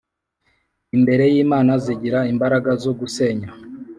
imbere y’Imana zigira imbaraga zo gusenya